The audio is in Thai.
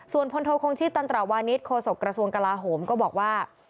ส่วนพลโทคงชีพตันตราวานิสโคศกระทรวงกลาโหมก็บอกว่า